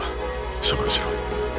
処分しろ。